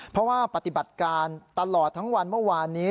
เพราะว่าปฏิบัติการตลอดทั้งวันเมื่อวานนี้